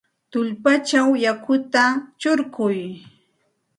Tullpachaw yakuta alsay.